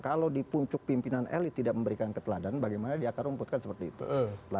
kalau di puncuk pimpinan elit tidak memberikan keteladanan bagaimana dia akan rumputkan seperti itu